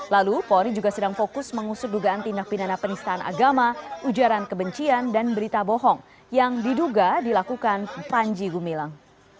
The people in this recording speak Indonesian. lalu polri juga sedang fokus mengusut dugaan tindak pidana penistaan agama ujaran kebencian dan berita bohong yang diduga dilakukan panji gumilang